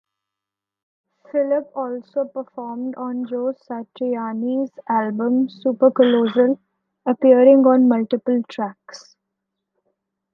Phillips also performed on Joe Satriani's album "Super Colossal", appearing on multiple tracks.